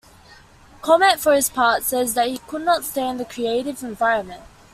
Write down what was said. Chomet, for his part, says that he could not stand the creative environment.